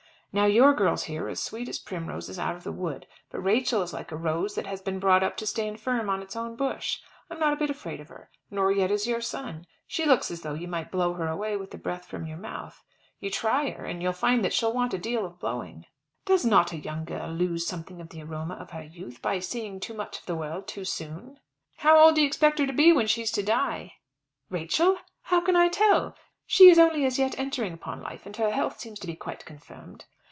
Now your girls here are as sweet as primroses out of the wood. But Rachel is like a rose that has been brought up to stand firm on its own bush. I'm not a bit afraid of her. Nor yet is your son. She looks as though you might blow her away with the breath from your mouth. You try her, and you'll find that she'll want a deal of blowing." "Does not a young girl lose something of the aroma of her youth by seeing too much of the world too soon?" "How old do you expect her to be when she's to die?" "Rachel! How can I tell? She is only as yet entering upon life, and her health seems to be quite confirmed."